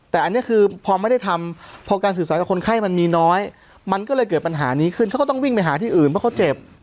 แต่อันนี้คือพอไม่ได้ทำพอการสื่อสารกับคนไข้มันมีน้อยมันก็เลยเกิดปัญหานี้ขึ้นเขาก็ต้องวิ่งไปหาที่อื่นเพราะเขาเจ็บ